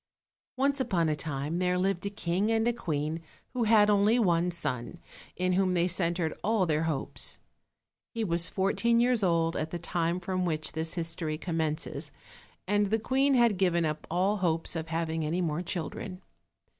ONCE upon a time there lived a king and a queen who had only one son, in whom they centered all their hopes. He was fourteen years old at the time from which this history commences, and the queen had given up all hopes of having any more children.